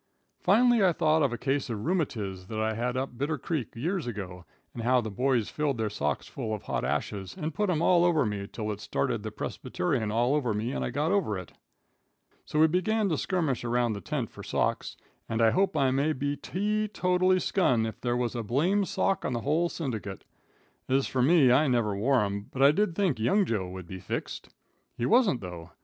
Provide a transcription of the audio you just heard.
Finally I thought of a case of rheumatiz that I had up in Bitter Creek years ago, and how the boys filled their socks full of hot ashes and put 'em all over me till it started the persbyterian all over me and I got over it. So we begun to skirmish around the tent for socks, and I hope I may be tee totally skun if there was a blame sock in the whole syndicate. Ez fur me, I never wore 'em, but I did think young Joe would be fixed. He wasn't though.